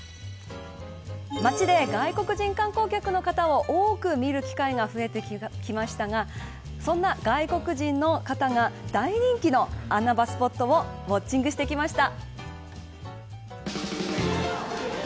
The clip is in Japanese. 町で外国人観光客の方を多く見る機会が増えてきましたがそんな外国人の方が大人気の穴場スポットをウオッチングしてきました。